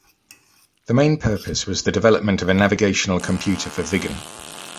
The main purpose was the development of a navigational computer for Viggen.